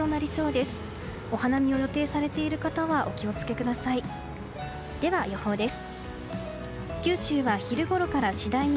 では、予報です。